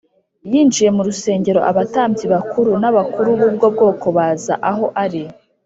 Yinjiye mu rusengero abatambyi bakuru n’abakuru b’ubwo bwoko baza aho ari